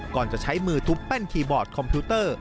ก่อนจะใช้มือทุบแป้นคีย์บอร์ดคอมพิวเตอร์